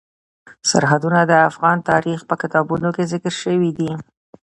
سرحدونه د افغان تاریخ په کتابونو کې ذکر شوی دي.